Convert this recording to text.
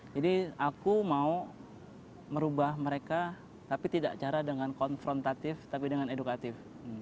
jadi aku mau merubah mereka tapi tidak cara dengan konfrontatif tapi dengan edukatif